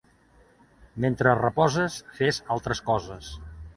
Mentre reposes fes altres coses.